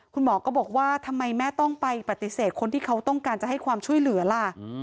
คุณหมอก็บอกว่าทำไมแม่ต้องไปปฏิเสธคนที่เขาต้องการจะให้ความช่วยเหลือล่ะ